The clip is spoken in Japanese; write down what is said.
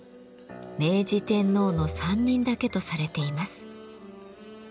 明治天皇の３人だけとされています。